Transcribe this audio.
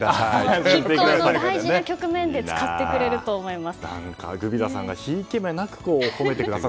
大事な局面で使ってくれると思います。